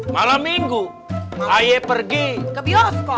malam minggu laye pergi ke bioskop